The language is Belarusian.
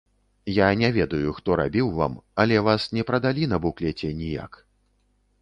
Я не ведаю, хто рабіў вам, але вас не прадалі на буклеце ніяк.